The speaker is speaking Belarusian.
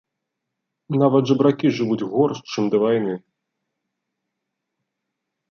Нават жабракі жывуць горш, чым да вайны.